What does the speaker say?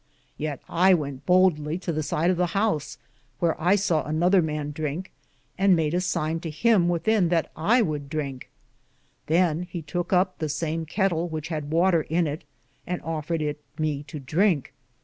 Yeate I wente bouldly to the sid of the house, whear I saw another man drinke, and made a sine to him within that I woulde drinke. Than he touke up the same ketle which had water in it, and offer it me to drinke.